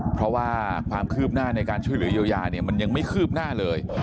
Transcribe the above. เพราะว่าความคืบหน้าในการช่วยเหลือเยียวยาเนี่ยมันยังไม่คืบหน้าเลย